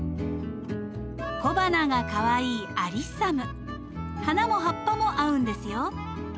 小花がかわいい花も葉っぱも合うんですよ。